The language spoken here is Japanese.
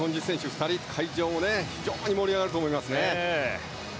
２人会場も非常に盛り上がると思いますね。